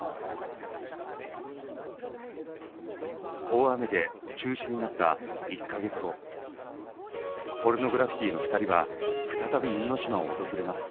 大雨で中止になった一か月後ポルノグラフィティの２人は再び因島を訪れます。